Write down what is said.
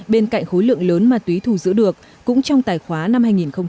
bên cạnh khối lượng lớn ma túy thù giữ được cũng trong tài khóa năm hai nghìn một mươi sáu